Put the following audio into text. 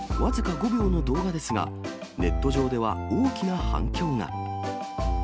僅か５秒の動画ですが、ネット上では大きな反響が。